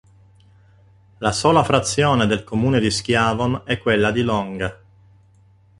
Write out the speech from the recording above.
La sola frazione del comune di Schiavon è quella di Longa.